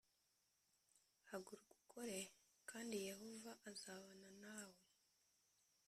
Haguruka ukore kandi Yehova azabane nawe